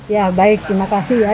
ya baik terima kasih ya